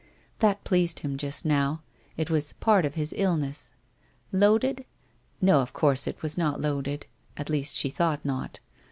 That pleased him just now; it was part of his illness. Loaded? No, of course it was not loaded — at least she thought not.